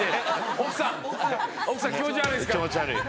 奥さん奥さん気持ち悪いですか？